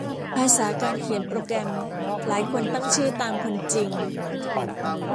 ภาษาการเขียนโปรแกรมหลายคนตั้งชื่อตามคนจริง